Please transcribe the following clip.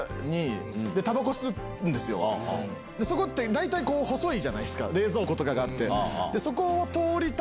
そこ大体細いじゃないですか冷蔵庫とかがあって。